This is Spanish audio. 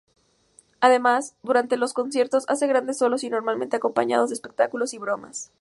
Además, durante los conciertos, hace grandes solos y normalmente acompañados de espectáculo y bromas.